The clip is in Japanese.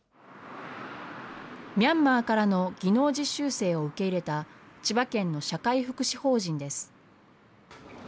ミャンマーからの技能実習生を受け入れた、千葉県の社会福祉法人です。